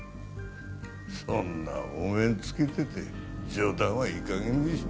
そんなお面つけてて冗談はいい加減にしろ